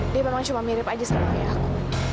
dia memang cuma mirip aja sama ayahku